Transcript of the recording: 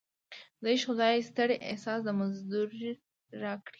د عشق خدای ستړی احساس د مزدور راکړی